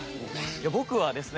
いや僕はですね